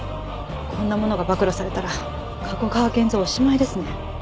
こんなものが暴露されたら加古川源蔵おしまいですね。